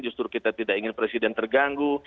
justru kita tidak ingin presiden terganggu